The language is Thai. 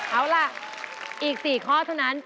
เอาล่ะอีก๔ข้อเท่านั้น